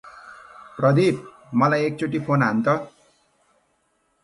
प्रदिप, मलाई एकचोटि फोन हान त ।